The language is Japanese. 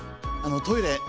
あのトイレ。